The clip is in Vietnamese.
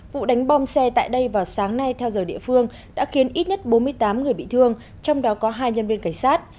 vụ đánh bom xe tại đây vào sáng nay theo giờ địa phương đã khiến ít nhất bốn mươi tám người bị thương trong đó có hai nhân viên cảnh sát